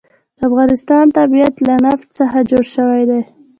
د افغانستان طبیعت له نفت څخه جوړ شوی دی.